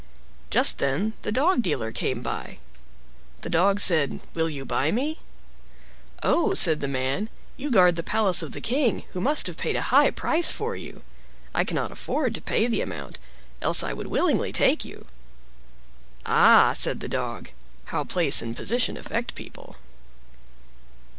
Just then the Dog Dealer came by. The Dog said, "Will you buy me?" "Oh," said the man, "you guard the palace of the king, who must have paid a high price for you. I cannot afford to pay the amount, else I would willingly take you." "Ah!" said the Dog, "how place and position affect people!"